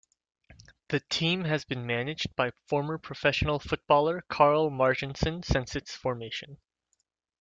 The team has been managed by former professional footballer Karl Marginson since its formation.